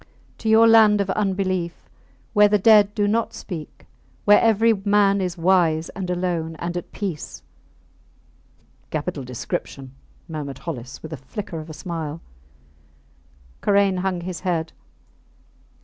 To your land of unbelief, where the dead do not speak, where every man is wise, and alone and at peace! Capital description, murmured Hollis, with the flicker of a smile. Karain hung his head.